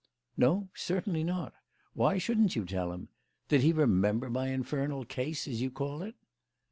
"No. Certainly not. Why shouldn't you tell him? Did he remember my infernal case, as you call it?"